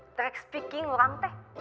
tereks speaking orang